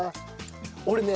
俺ね